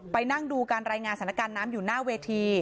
นั่งดูการรายงานสถานการณ์น้ำอยู่หน้าเวที